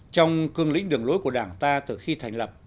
trong cương lĩnh đường lối của đảng ta từ khi thành lập